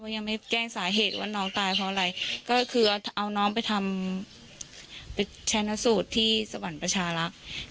ยังไม่แจ้งสาเหตุว่าน้องตายเพราะอะไรก็คือเอาน้องไปทำไปชนะสูตรที่สวรรค์ประชารักษ์